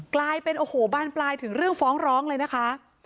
กลายเป็นโอ้โหบานปลายถึงเรื่องฟ้องร้องเลยนะคะ